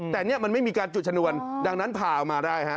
แต่เนี่ยมันไม่มีการจุดชนวนดังนั้นพาเอามาได้ฮะ